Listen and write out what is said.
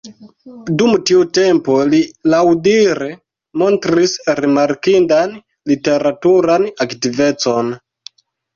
Dum tiu tempo li laŭdire montris rimarkindan literaturan aktivecon.